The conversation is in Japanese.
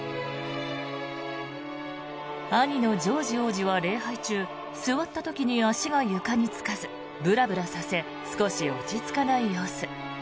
兄のジョージ王子は礼拝中座った時に足が床につかずブラブラさせ少し落ち着かない様子。